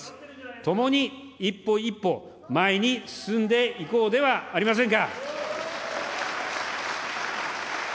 ともに一歩一歩、前に進んでいこうではありませんか。